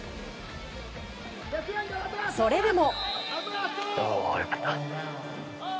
それでも。